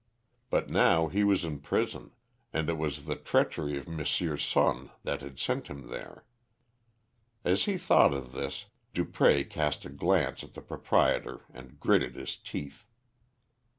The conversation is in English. But now he was in prison, and it was the treachery of M. Sonne that had sent him there. As he thought of this, Dupré cast a glance at the proprietor and gritted his teeth.